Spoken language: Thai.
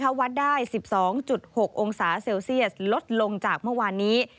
ถ้าวัดได้๑๒๖องศาเซลเซียสลดลงจากเมื่อวานนี้